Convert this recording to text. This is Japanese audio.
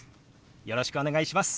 よろしくお願いします。